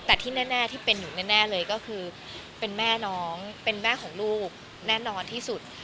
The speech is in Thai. แต่ที่แน่ที่เป็นอยู่แน่เลยก็คือเป็นแม่น้องเป็นแม่ของลูกแน่นอนที่สุด